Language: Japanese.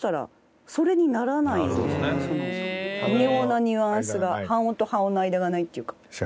微妙なニュアンスが半音と半音の間がないっていうか。